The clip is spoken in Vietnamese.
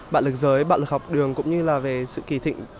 bạo lực giới bạo lực học đường cũng như là về sự kỳ thị